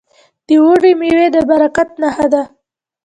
د اوړي میوې د برکت نښه ده.